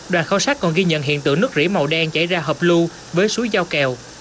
đoàn khảo sát còn ghi nhận hiện tượng nước rỉ màu đen chảy ra hợp lưu với suối giao kèo